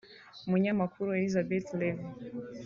umunyamakuru Élisabeth Lévy